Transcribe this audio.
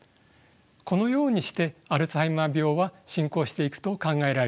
このようにしてアルツハイマー病は進行していくと考えられています。